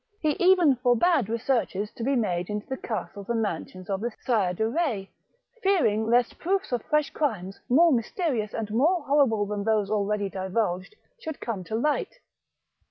He even forbade researches to be made in the castles and mansions of the Sire de Eetz, fearing lest proofs of fresh crimes, more mysterious and more horrible than those already divulged, should come to light.